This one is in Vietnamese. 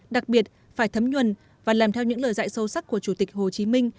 đặc biệt phải thấm nhuần và làm theo những lời dạy sâu sắc của chủ tịch hồ chí minh